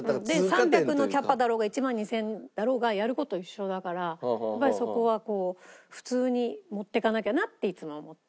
３００のキャパだろうが１万２０００だろうがやる事は一緒だからやっぱりそこは普通に持っていかなきゃなっていつも思って。